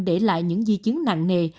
để lại những di chứng nặng nề